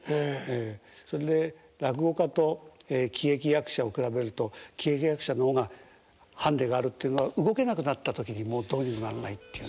それで落語家と喜劇役者を比べると喜劇役者の方がハンディがあるっていうのは動けなくなった時にもうどうにもならないっていうね。